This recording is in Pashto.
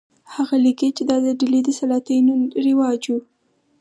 هغه لیکي چې دا د ډیلي د سلاطینو رواج و.